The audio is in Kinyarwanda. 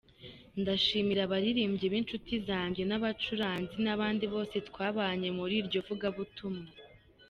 Ndashimira abaririmbyi b’inshuti zanjye n’abacuranzi n’abandi bose twabanye muri iryo vugabutumwa.